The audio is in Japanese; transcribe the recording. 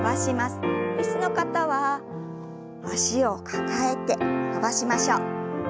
椅子の方は脚を抱えて伸ばしましょう。